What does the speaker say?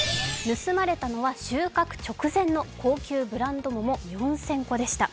盗まれたのは収穫直前の高級ブランド桃４０００個でした。